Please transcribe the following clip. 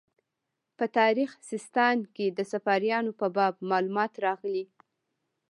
په تاریخ سیستان کې د صفاریانو په باب معلومات راغلي.